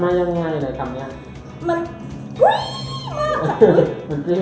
มันมาง่ายไงในคำนี้